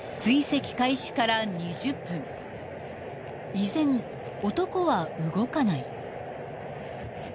［依然男は動かない］